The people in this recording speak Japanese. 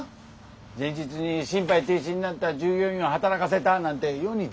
前日に心肺停止になった従業員を働かせたなんて世に出回ってみろよ。